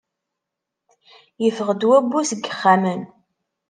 Yeffeɣ-d wabbu deg yixxamen.